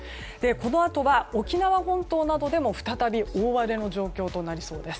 このあとは沖縄本島などでも再び大荒れの状況となりそうです。